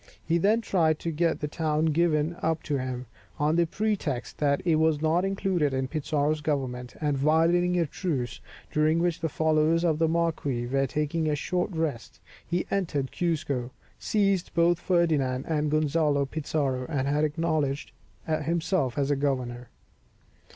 He then tried to get the town given up to him, on the pretext that it was not included in Pizarro's government, and violating a truce, during which the followers of the marquis were taking a short rest, he entered Cuzco, seized both Ferdinand and Gonzalo Pizarro, and had himself acknowledged as governor.